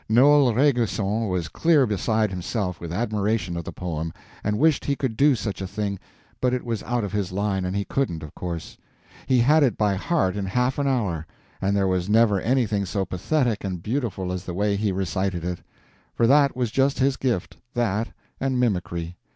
Noel Rainguesson was clear beside himself with admiration of the poem, and wished he could do such a thing, but it was out of his line, and he couldn't, of course. He had it by heart in half an hour, and there was never anything so pathetic and beautiful as the way he recited it. For that was just his gift—that and mimicry.